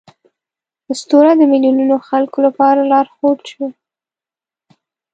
اسطوره د میلیونونو خلکو لپاره لارښود شو.